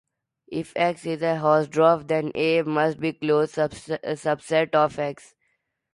If "X" is Hausdorff, then "A" must be a closed subset of "X".